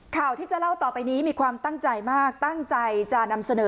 ข่าวที่จะเล่าต่อไปนี้มีความตั้งใจมากตั้งใจจะนำเสนอ